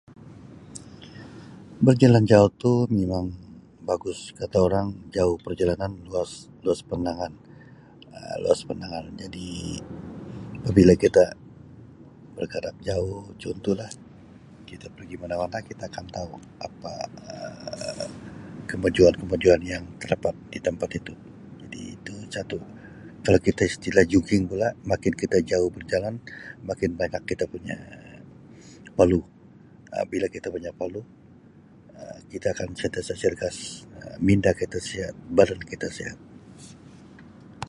"Berjalan jauh tu mimang bagus kata orang jauh perjalanan luas luas pandangan Um luas pandangan jadi pabila kita bergarak jauh contoh lah kita pergi mana-mana kita akan tau apa Um kemajuan-kemajuan yang terdapat di tampat itu jadi itu satu kalau kita istilah ""jogging"" pula makin kita jauh berjalan makin banyak kita punya paluh Um bila kita banyak paluh Um kita akan sentiasa cergas minda kita sihat badan kita sihat. "